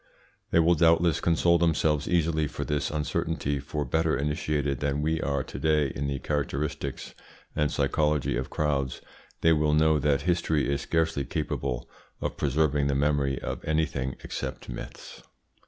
They will doubtless console themselves easily for this uncertainty, for, better initiated than we are to day in the characteristics and psychology of crowds, they will know that history is scarcely capable of preserving the memory of anything except myths.